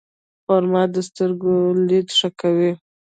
خرما د سترګو لید ښه کوي.